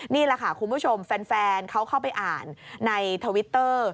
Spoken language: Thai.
นี่แหละค่ะคุณผู้ชมแฟนเขาเข้าไปอ่านในทวิตเตอร์